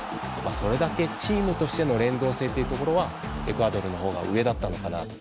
それだけチームとしての連動性というところはエクアドルの方が上だったのかなと。